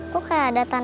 kok kayak ada tanah